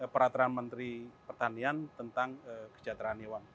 peraturan menteri pertanian tentang kesejahteraan hewan